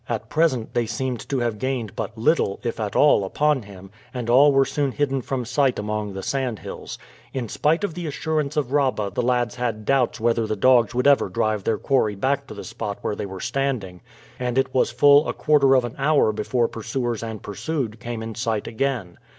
At present they seemed to have gained but little, if at all, upon him, and all were soon hidden from sight among the sandhills. In spite of the assurance of Rabah the lads had doubts whether the dogs would ever drive their quarry back to the spot where they were standing, and it was full a quarter of an hour before pursuers and pursued came in sight again.